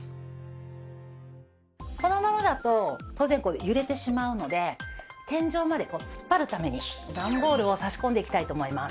このままだと当然こう揺れてしまうので天井まで突っ張るために段ボールを差し込んでいきたいと思います。